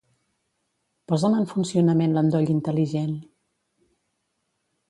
Posa'm en funcionament l'endoll intel·ligent.